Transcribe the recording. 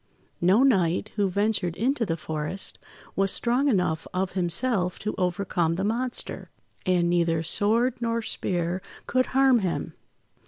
No knight, who ventured into the forest, was strong enough of himself to overcome the monster; and neither sword nor spear could harm him.